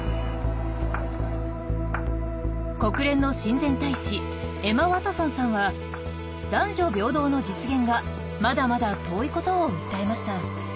国連の親善大使エマ・ワトソンさんは男女平等の実現がまだまだ遠いことを訴えました。